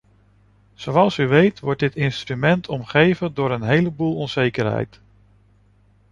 Zoals u weet wordt dit instrument omgeven door een heleboel onzekerheid.